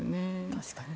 確かに。